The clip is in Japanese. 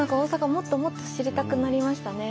もっともっと知りたくなりましたね。